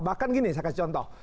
bahkan gini saya kasih contoh